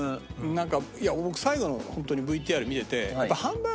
なんか僕最後のホントにＶＴＲ見てて。